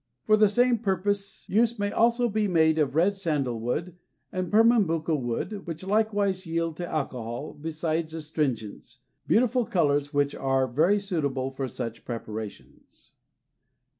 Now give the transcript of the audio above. For the same purpose use may also be made of red santal wood and Pernambuco wood which likewise yield to alcohol, besides astringents, beautiful colors which are very suitable for such preparations.